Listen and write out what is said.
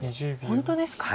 本当ですか？